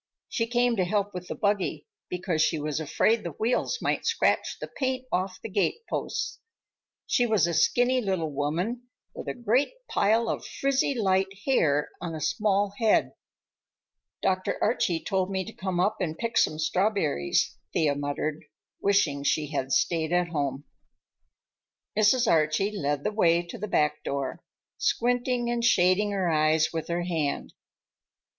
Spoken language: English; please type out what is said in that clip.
She came to help with the buggy, because she was afraid the wheels might scratch the paint off the gateposts. She was a skinny little woman with a great pile of frizzy light hair on a small head. "Dr. Archie told me to come up and pick some strawberries," Thea muttered, wishing she had stayed at home. Mrs. Archie led the way to the back door, squinting and shading her eyes with her hand.